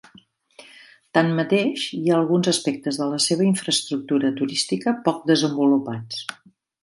Tanmateix, hi ha alguns aspectes de la seva infraestructura turística poc desenvolupats.